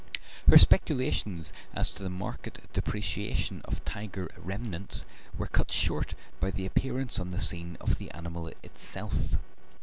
Her speculations as to the market depreciation of tiger remnants were cut short by the appearance on the scene of the animal itself.